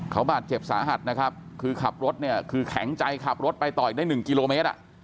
เขาบาดเจ็บสาหัสนะครับคือขับรถเนี่ยคือแข็งใจขับรถไปต่อยได้๑กิโลเมตร